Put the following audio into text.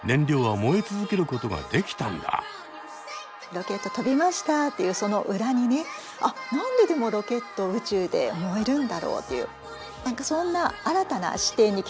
ロケット飛びましたっていうその裏にね「あ何ででもロケット宇宙で燃えるんだろう？」というそんな新たな視点に気付かせてくれる。